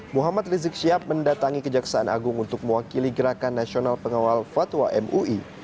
muhammad rizik syihab mendatangi kejaksaan agung untuk mewakili gerakan nasional pengawal fatwa mui